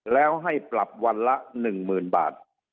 แล้วให้ปรับวันละ๑๐๐๐บาท